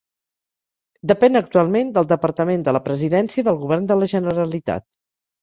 Depèn actualment del departament de la Presidència del govern de la Generalitat.